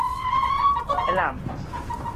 এলাম!